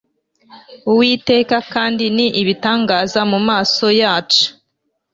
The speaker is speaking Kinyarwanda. uwiteka kandi ni ibitangaza mu maso yacu